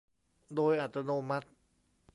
โดยอัตโนมัติ